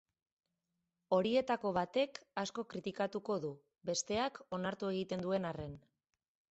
Horietako batek asko kritikatuko du, besteak onartu egiten duen arren.